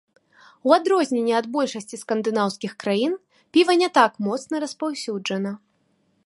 У адрозненне ад большасці скандынаўскіх краін піва не так моцна распаўсюджана.